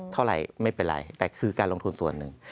เท่าไรไม่เป็นไรแต่คือการลงทุนนึง